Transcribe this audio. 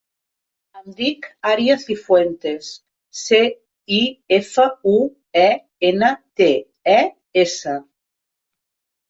Em dic Aria Cifuentes: ce, i, efa, u, e, ena, te, e, essa.